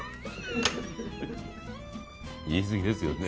言いすぎですよね。